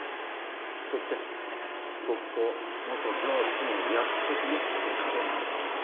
そして僕と元上司の約束の丘でもあるんだ。